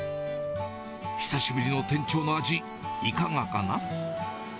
久しぶりの店長の味、いかがかな？